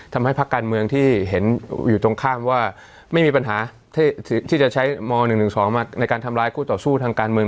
พักการเมืองที่เห็นอยู่ตรงข้ามว่าไม่มีปัญหาที่จะใช้ม๑๑๒มาในการทำร้ายคู่ต่อสู้ทางการเมือง